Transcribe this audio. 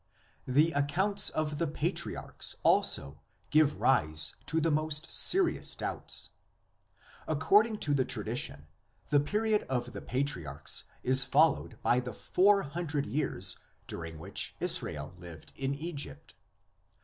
The accounts of the patriarchs also give rise to the most serious doubts. According to the tradi tion the period of the patriarchs is followed by the four hundred years during which Israel lived in Egypt.